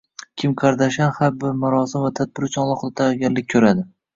Kim Kardashyan har bir marosim va tadbir uchun alohida tayyorgarlik ko‘radi